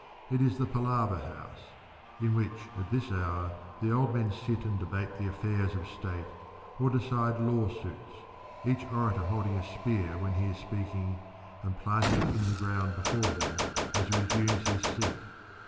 It is the palaver house, in which at this hour the old men sit and debate the affairs of state or decide lawsuits, each orator holding a spear when he is speaking, and planting it in the ground before him as he resumes his seat.